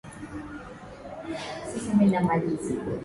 Sheria zilitungwa London zilizokataza kuanzishwa kwa viwanda